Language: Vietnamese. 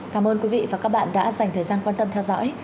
cảm ơn quý vị và các bạn đã dành thời gian quan tâm theo dõi